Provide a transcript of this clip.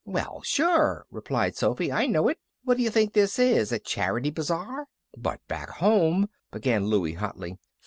"Well, sure," replied Sophy. "I know it. What do you think this is? A charity bazaar?" "But back home " began Louie, hotly.